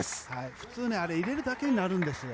普通、あれ入れるだけになるんですよ。